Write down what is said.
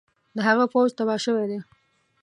د هغه پوځ تباه شوی دی.